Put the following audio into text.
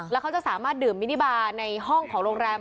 แล้วเขาจะสามารถดื่มมินิบาในห้องของโรงแรม